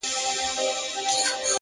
نظم د بریالیتوب خاموش اصل دی!